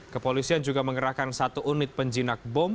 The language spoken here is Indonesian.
kepolisian juga mengerahkan satu unit penjinak bom